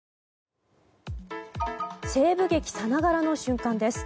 西部劇さながらの瞬間です。